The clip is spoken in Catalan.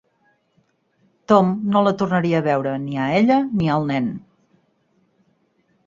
Tom no la tornaria a veure ni a ella ni al nen.